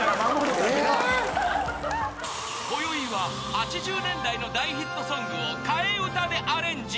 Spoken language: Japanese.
［こよいは８０年代の大ヒットソングを替え歌でアレンジ］